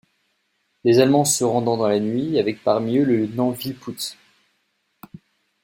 Les Allemands se rendent dans la nuit, avec parmi eux le lieutenant Wielpùtz.